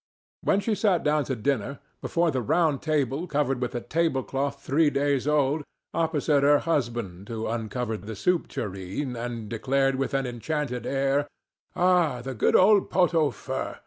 When she sat down to dinner, before the round table covered with a tablecloth three days old, opposite her husband, who uncovered the soup tureen and declared with an enchanted air, "Ah, the good pot au feu!